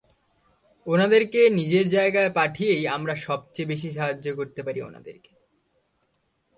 ওনাদেরকে নিজের জায়গায় পাঠিয়েই আমরা সবচেয়ে বেশি সাহায্য করতে পারি ওনাদেরকে।